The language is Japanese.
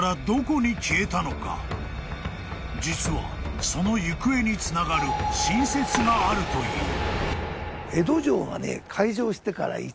［実はその行方につながる新説があるという］